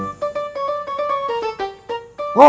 iya pak ustadz rw